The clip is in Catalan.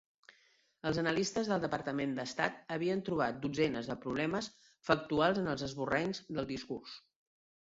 Els analistes del Departament d'Estat havien trobat dotzenes de problemes factuals en els esborranys del discurs.